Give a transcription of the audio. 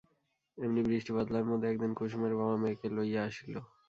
এমনি বৃষ্টিবাদলার মধ্যে একদিন কুসুমের বাবা মেয়েকে লইয়া আসিল।